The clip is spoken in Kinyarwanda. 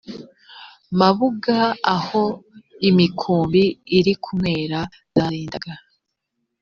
mabuga aho imikumbi iri bunywere zarindaga